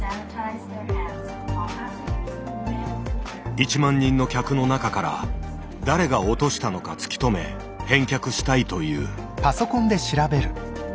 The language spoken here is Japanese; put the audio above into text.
１万人の客の中から誰が落としたのか突き止め返却したいという。